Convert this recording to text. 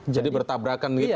jadi bertabrakan gitu ya